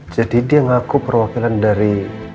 jadi dia ngaku perwakilan dari